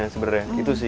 sebenernya gitu sih